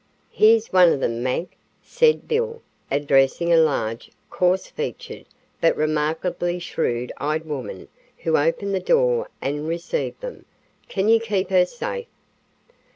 "Here's one of them, Mag," said Bill, addressing a large, coarse featured, but remarkably shrewd eyed woman who opened the door and received them. "Can you keep her safe?"